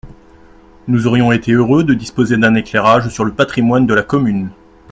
Nous aurions été heureux de disposer d’un éclairage sur le patrimoine de la commune.